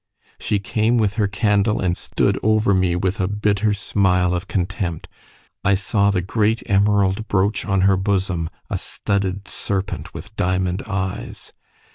She came with her candle and stood over me with a bitter smile of contempt; I saw the great emerald brooch on her bosom, a studded serpent with diamond eyes.